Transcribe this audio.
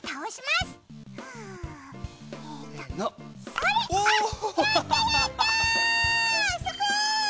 すごい！